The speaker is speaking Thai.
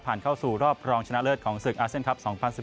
เข้าสู่รอบรองชนะเลิศของศึกอาเซียนครับ๒๐๑๙